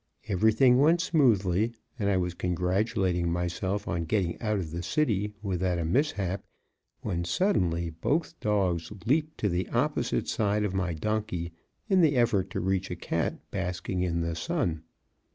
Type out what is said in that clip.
Everything went smoothly and I was congratulating myself on getting out of the city without a mishap, when, suddenly, both dogs leaped to the opposite side of my donkey in the effort to reach a cat basking in the sun.